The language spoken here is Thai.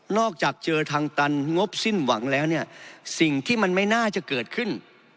จากเจอทางตันงบสิ้นหวังแล้วเนี่ยสิ่งที่มันไม่น่าจะเกิดขึ้น